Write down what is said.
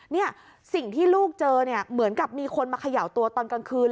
เนี่ยสิ่งที่ลูกเจอเนี่ยเหมือนกับมีคนมาเขย่าตัวตอนกลางคืน